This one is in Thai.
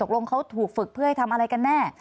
ลงเขาถูกฝึกเพื่อให้ทำอะไรกันแน่